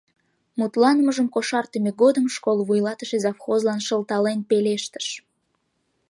Мутланымыжым кошартыме годым школ вуйлатыше завхозлан шылтален пелештыш: